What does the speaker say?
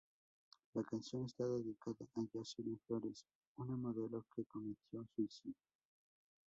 La canción está dedicada a Jocelyn Flores, una modelo que cometió suicidio.